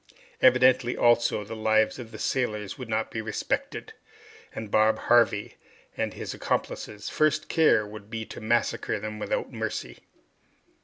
Evidently, also, the lives of the settlers would not be respected, and Bob Harvey and his accomplices' first care would be to massacre them without mercy.